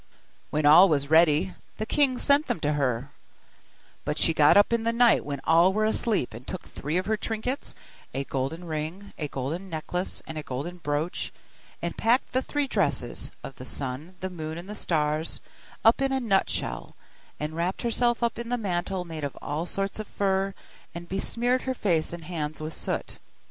When all were ready, the king sent them to her; but she got up in the night when all were asleep, and took three of her trinkets, a golden ring, a golden necklace, and a golden brooch, and packed the three dresses of the sun, the moon, and the stars up in a nutshell, and wrapped herself up in the mantle made of all sorts of fur, and besmeared her face and hands with soot.